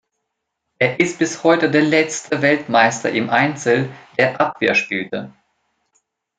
Er ist bis heute der letzte Weltmeister im Einzel, der Abwehr spielte.